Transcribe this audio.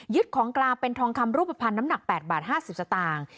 ของกลางเป็นทองคำรูปภัณฑ์น้ำหนัก๘บาท๕๐สตางค์